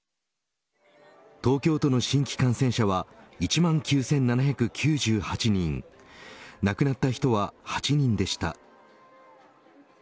東京都の新規感染者は１万９７９８人亡くなった人は８人でした。